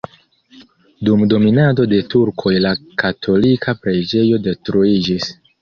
Dum dominado de turkoj la katolika preĝejo detruiĝis.